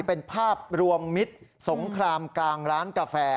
เป็นภาพรวมมิตรสงครามกลางร้านกาแฟ